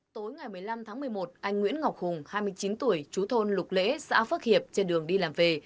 tối ngày một mươi năm tháng một mươi một anh nguyễn ngọc hùng hai mươi chín tuổi chú thôn lục lễ xã phước hiệp trên đường đi làm về